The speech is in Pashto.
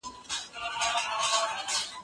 بهرنۍ پالیسي بې له همکارۍ نه وده نه کوي.